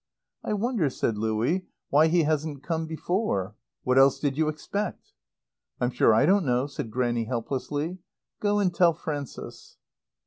"I wonder," said Louie, "why he hasn't come before. What else did you expect?" "I'm sure I don't know," said Grannie helplessly. "Go and tell Frances."